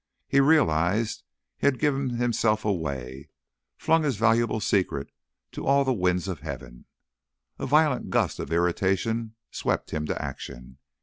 He realised he had given himself away, flung his valuable secret to all the winds of heaven. A violent gust of irritation swept him to action.